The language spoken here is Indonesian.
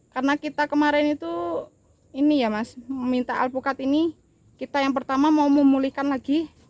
karena kita kemarin itu ini ya mas meminta alpukat ini kita yang pertama mau memulihkan lagi